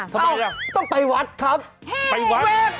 ทำไมล่ะต้องไปวัดครับไปวัด